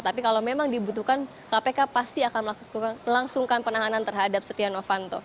tapi kalau memang dibutuhkan kpk pasti akan melangsungkan penahanan terhadap setia novanto